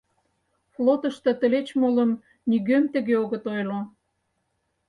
Флотышто тылеч молым нигӧм тыге огыт ойло.